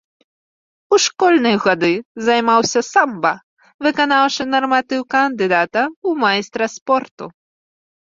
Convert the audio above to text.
У школьныя гады займаўся самба, выканаўшы нарматыў кандыдата ў майстра спорту.